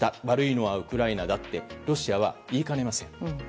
悪いのはウクライナだとロシアは言いかねません。